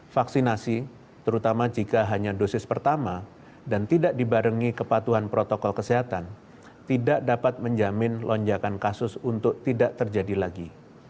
vaksinasi terutama jika hanya dosis pertama dan tidak dibarengi kepatuhan protokol kesehatan tidak dapat menjamin lonjakan kasus untuk tidak terjadi lagi